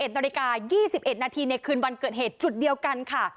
๑นาฬิกา๒๑นาทีในคืนวันเกิดเหตุจุดเดียวกันค่ะ